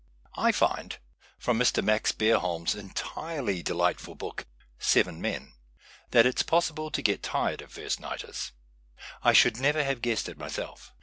I find, from Mr. Max Bcerbohm's entirely delight ful book " Seven Men,'' that it is possible to get tired of first nighters. I should never have guessed it myself.